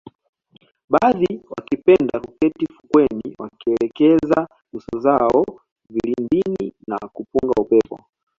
Baadhi wakipenda kuketi fukweni wakielekeza nyuso zao vilindini na kupunga upepo